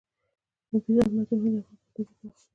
اوبزین معدنونه د افغانستان د طبیعت برخه ده.